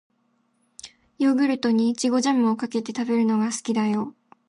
ヨーグルトに、いちごジャムをかけて食べるのが好きだよ。